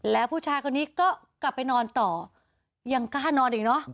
แล้วผู้ชายคนนี้ก็กลับไปนอนต่อยังกล้านอนอีกเนอะ